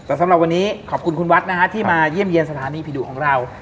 แต่สำหรับวันนี้ขอบคุณคุณวัดนะฮะที่มาเยี่ยมเยี่ยมสถานีผีดุของเรา